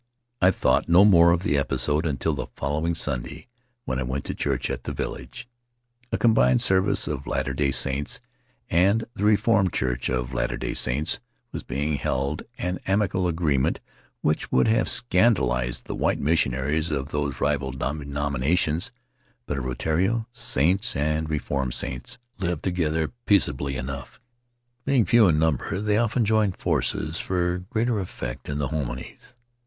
I thought no more of the episode until the following Sunday when I went to church at the village. A. combined service of Latter Day Saints and the Re formed Church of Latter Day Saints was being held, an Faery Lands of the South Seas amicable arrangement which would have scandalized the white missionaries of those rival denominations. But at Rutiaro Saints and Reformed Saints live to gether peaceably enough and, being few in numbers, they often join forces for greater effect in the himines.